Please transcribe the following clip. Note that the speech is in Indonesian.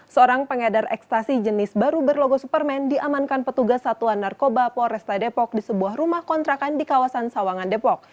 seorang pengedar ekstasi jenis baru berlogo superman diamankan petugas satuan narkoba polresta depok di sebuah rumah kontrakan di kawasan sawangan depok